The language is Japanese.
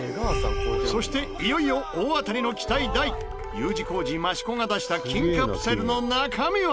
そしていよいよ大当たりの期待大Ｕ字工事益子が出した金カプセルの中身は？